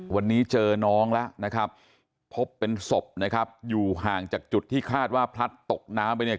วันนี้เจอน้องแล้วนะครับพบเป็นศพนะครับอยู่ห่างจากจุดที่คาดว่าพลัดตกน้ำไปเนี่ย